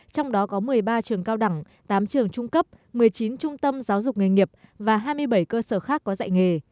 trong đó có một mươi ba trường cao đẳng tám trường trung cấp một mươi chín trung tâm giáo dục nghề nghiệp và hai mươi bảy cơ sở khác có dạy nghề